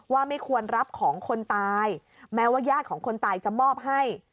ว่าไม่ควรรับของคนตายแม้ว่าญาติของคนตายจะมอบให้